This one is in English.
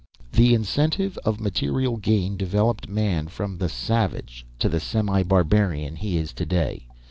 "The incentive of material gain developed man from the savage to the semi barbarian he is to day.